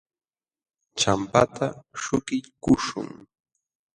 Champata śhukiykuśhun.